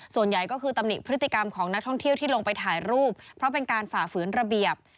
ส่วนใหญ่ก็คือตำหนิพฤติกรรมของนักท่องเที่ยวที่ลงไปถ่ายรูปเพราะเป็นการฝ่าฝืนระเบียบ